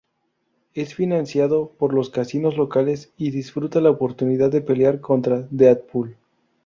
Es financiado por los casinos locales y disfruta la oportunidad de pelear contra Deadpool.